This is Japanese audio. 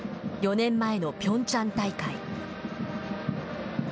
４年前のピョンチャン大会。